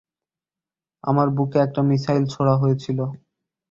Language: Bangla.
আমার বুকে একটা মিসাইল ছোঁড়া হয়েছিল!